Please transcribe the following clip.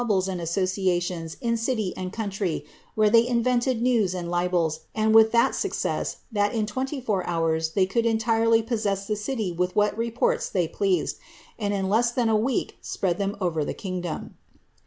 ^They also had their dark cabals and associations in city and country, where they ioTented newi and libels, and with that success, that in twenty four hours they could entirely possess the city with what reports they pleased, and in \eu than a week spread them over the kingdom.